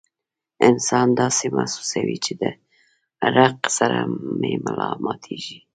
انسان داسې محسوسوي چې د ړق سره مې ملا ماتيږي